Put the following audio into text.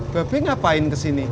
bebek ngapain kesini